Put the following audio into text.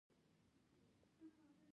خو همالته د کولو لپاره نور ډېر څه هم ول.